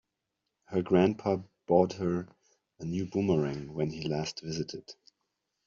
Her grandpa bought her a new boomerang when he last visited.